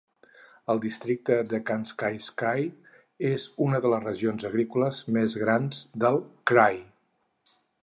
El districte de Khankaysky és una de les regions agrícoles més grans del krai.